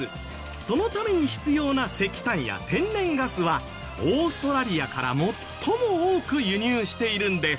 そのために必要な石炭や天然ガスはオーストラリアから最も多く輸入しているんです。